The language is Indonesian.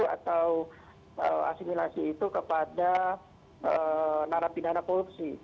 atau asimilasi itu kepada narapi dana polusi